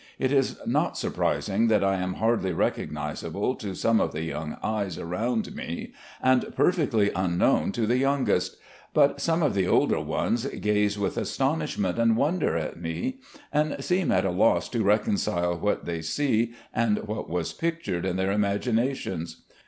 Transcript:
It is not sur prising that I am hardly recognisable to some of the young eyes around me and perfectly unknown to the youngest. But some of the older ones gaze with aston ishment and wonder at me, and seem at a loss to reconcile what they see and what was pictured in their imagina tions.